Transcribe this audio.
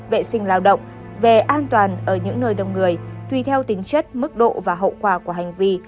vệ sinh lao động về an toàn ở những nơi đông người tùy theo tính chất mức độ và hậu quả của hành vi